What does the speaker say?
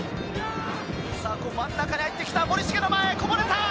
真ん中から入ってきた、森重の前、こぼれた！